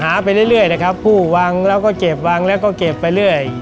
ไปเรื่อยนะครับผู้วางแล้วก็เก็บวางแล้วก็เก็บไปเรื่อย